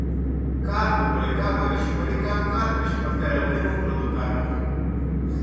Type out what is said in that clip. Карпу Поликарповичу Поликарп Карпыч подкарауливал в пруду карпов.